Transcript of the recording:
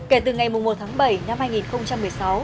kể từ ngày một tháng bảy năm hai nghìn một mươi sáu